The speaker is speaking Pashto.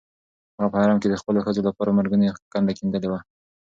هغه په حرم کې د خپلو ښځو لپاره مرګونې کنده کیندلې وه.